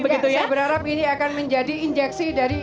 saya berharap ini akan menjadi injeksi dari